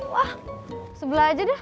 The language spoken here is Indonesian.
wah sebelah aja dah